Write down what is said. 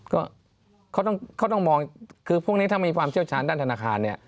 ก็เขาต้องเขาต้องมองคือพวกนี้ถ้ามีความเชี่ยวชาญด้านธนาคารเนี่ย